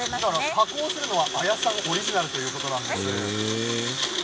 加工するのは文さんオリジナルということです。